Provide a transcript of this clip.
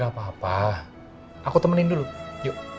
apa apa aku temenin dulu yuk